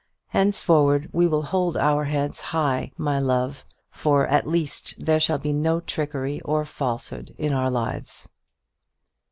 Henceforward we will hold our heads high, my love; for at least there shall be no trickery or falsehood in our lives."